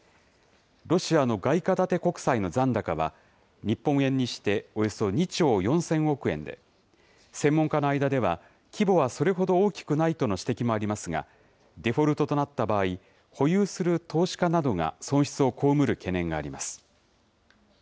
ロシアの外貨建て国債の残高は、日本円にしておよそ２兆４０００億円で、専門家の間では、規模はそれほど大きくないとの指摘もありますが、デフォルトとなった場合、保有する投資家などが損失を被る懸念があります。